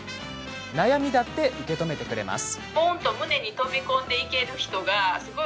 悩みだって受け止めてくれます。